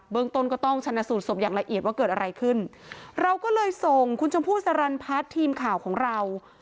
ต้นก็ต้องชนะสูตรศพอย่างละเอียดว่าเกิดอะไรขึ้นเราก็เลยส่งคุณชมพู่สรรพัฒน์ทีมข่าวของเรา